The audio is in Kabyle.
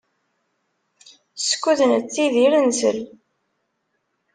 Skud nettidir, nsell.